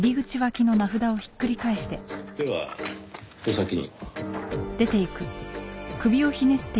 ではお先に。